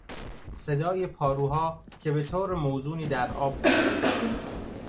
صدای پاروها که به طور موزونی در آب فرو میرفت.